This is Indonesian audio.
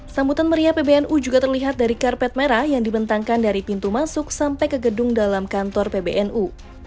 sambutan meriah pbnu juga terlihat dari karpet merah yang dibentangkan dari pintu masuk sampai ke gedung dalam kantor pbnu